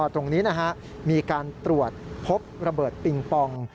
ตรงนี้มีการตรวจพบระเบิดปิงปอง